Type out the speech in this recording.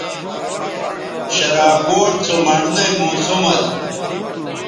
شراکوٹ سو مڑنئ موسم اسُو